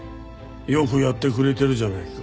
よくやってくれてるじゃないか。